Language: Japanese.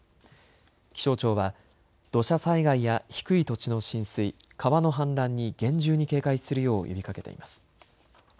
気象庁は土砂災害や低い土地の浸水、川の氾濫に厳重に警戒するよう呼びかけています。